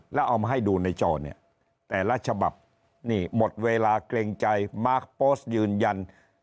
แล้วเอามาให้ดูในจรแต่รัฐฉบับหมดเวลาเกรงใจมาร์คโปสต์ยืนยัน